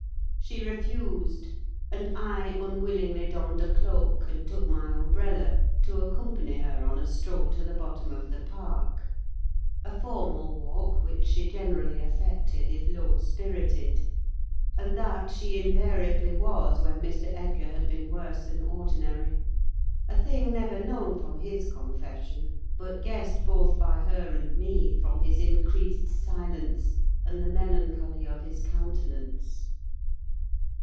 She refused; and I unwillingly donned a cloak, and took my umbrella to accompany her on a stroll to the bottom of the park: a formal walk which she generally affected if low spirited—and that she invariably was when Mr. Edgar had been worse than ordinary, a thing never known from his confession, but guessed both by her and me from his increased silence and the melancholy of his countenance.